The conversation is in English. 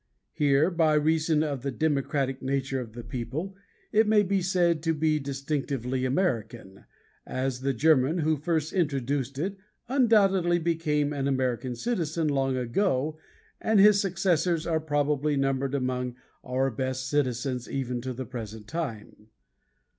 Here, by reason of the democratic nature of the people, it may be said to be distinctively American, as the German who first introduced it undoubtedly became an American citizen long ago and his successors are probably numbered among our best citizens even to the present time.